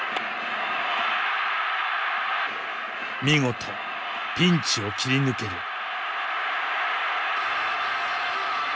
見事ピンチを切り抜ける。